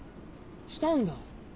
したんだ？